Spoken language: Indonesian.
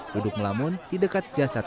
duduk melamun di dekat jasa tersebut